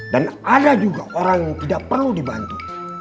dan ada juga orang yang tidak perlu dibantu